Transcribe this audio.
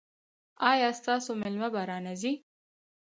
ایا ستاسو میلمه به را نه ځي؟